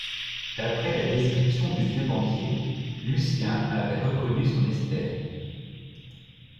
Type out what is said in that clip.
D’après la description du vieux banquier, Lucien avait reconnu son Esther.